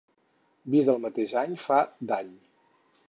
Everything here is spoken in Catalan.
Vi del mateix any fa dany.